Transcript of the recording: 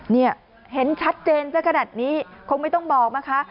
นี่แน่คงไม่ต้องบอกนะคะ